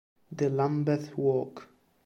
The Lambeth Walk